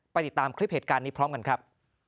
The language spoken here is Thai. ติดตามคลิปเหตุการณ์นี้พร้อมกันครับ